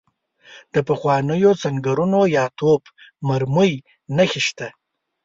د پخوانیو سنګرونو یا توپ مرمۍ نښې نشته.